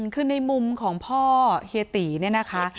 คือในมุมของพ่อเฮียตีเนี่ยนะคะ